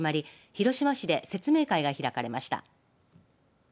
広島市で説明会が開かれました。